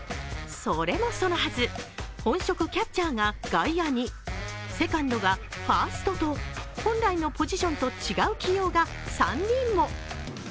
それもそのはず、本職キャッチャーが外野に、セカンドがファーストと本来のポジションと違う起用が３人も。